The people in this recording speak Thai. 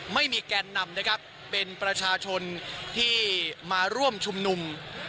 แกนนำนะครับเป็นประชาชนที่มาร่วมชุมนุม